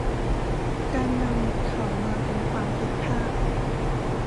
การนำเขามาเป็นความผิดพลาด